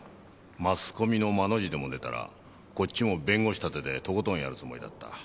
マスコミのマの字でも出たらこっちも弁護士立ててとことんやるつもりだった。